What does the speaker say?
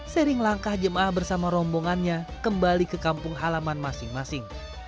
sering langkah jemaah bersama rombongannya kembali ke kampung halaman masing masing